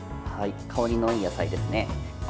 香りのいい野菜ですね。